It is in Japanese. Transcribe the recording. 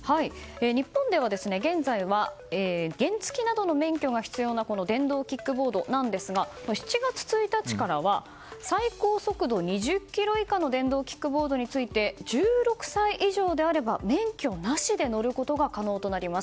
日本では、現在は原付きなどの免許が必要な電動キックボードなんですが７月１日からは最高速度２０キロ以下の電動キックボードについて１６歳以上であれば免許なしで乗ることが可能となります。